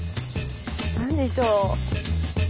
何でしょう？